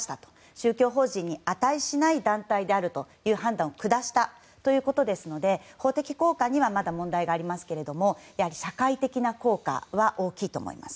宗教法人に値しない団体であるという判断を下したということですので法的効果にはまだ問題がありますけども社会的な効果は大きいと思います。